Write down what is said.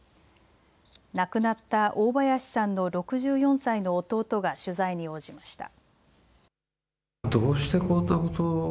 亡くなった大林さんの６４歳の弟が取材に応じました。